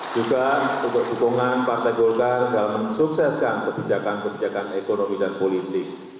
juga untuk dukungan partai golkar dalam mensukseskan kebijakan kebijakan ekonomi dan politik